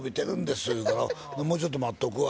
「もうちょっと待っとくわ」